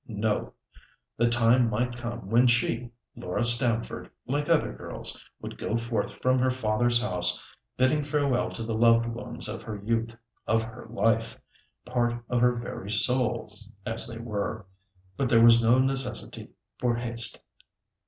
No! The time might come when she, Laura Stamford, like other girls, would go forth from her father's house, bidding farewell to the loved ones of her youth—of her life—part of her very soul, as they were; but there was no necessity for haste.